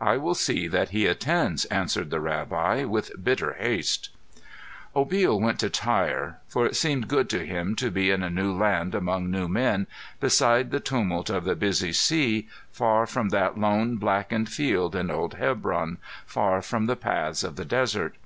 "I will see that he attends," answered the rabbi with bitter haste. Obil went to Tyre, for it seemed good to him to be in a new land among new men, beside the tumult of the busy sea, far from that lone blackened field in old Hebron, far from the paths of the desert.